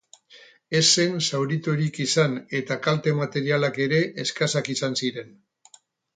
Ez zen zauriturik izan eta kalte materialak ere eskasak izan ziren.